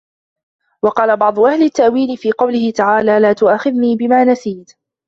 وَقَالَ بَعْضُ أَهْلِ التَّأْوِيلِ فِي قَوْله تَعَالَى لَا تُؤَاخِذْنِي بِمَا نَسِيتُ